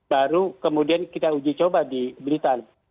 baru kemudian kita uji coba di blitar